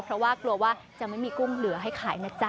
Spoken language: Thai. เพราะว่ากลัวว่าจะไม่มีกุ้งเหลือให้ขายนะจ๊